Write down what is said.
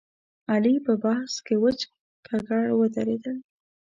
علي په بحث کې وچ ککړ ودرېدل.